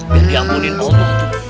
dan diampunin auto